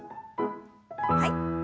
はい。